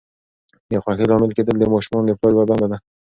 د خوښۍ لامل کېدل د ماشومانو د پلار یوه دنده ده.